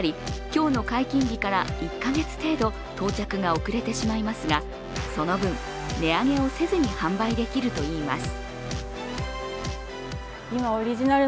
今日の解禁日から１か月程度到着が遅れてしまいますが、その分、値上げをせずに販売できるといいます。